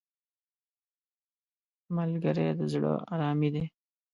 ملګری د زړه آرامي دی